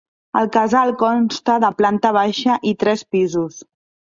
El Casal consta de planta baixa i tres pisos.